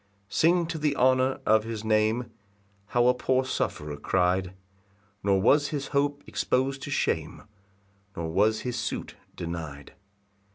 2 Sing to the honour of his name, How a poor sufferer cry'd, Nor was his hope expos'd to shame, Nor was his suit deny'd.